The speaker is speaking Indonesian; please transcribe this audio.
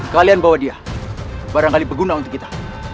kalian bawa dia barangkali berguna untuk kita